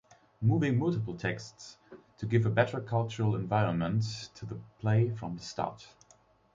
Moving multiple texts to give a better cultural environment to the play from the start.